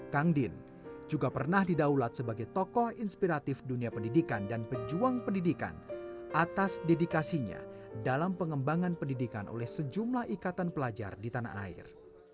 kang din juga pernah didaulat sebagai tokoh inspiratif dunia pendidikan dan pejuang pendidikan atas dedikasinya dalam pengembangan pendidikan oleh sejumlah ikatan pelajar di tanah air